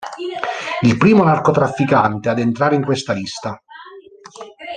Il primo narcotrafficante ad entrare in questa lista.